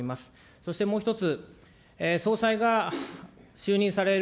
そしてもう一つ、総裁が就任される